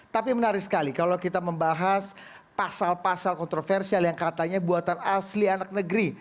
tapi menarik sekali kalau kita membahas pasal pasal kontroversial yang katanya buatan asli anak negeri